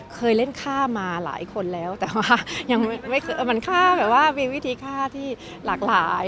เคยเล่นค่ามาหลายคนแล้วแต่ว่ายังไม่เคยมันค่าแบบว่ามีวิธีฆ่าที่หลากหลาย